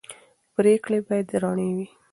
پرېکړې باید رڼې وي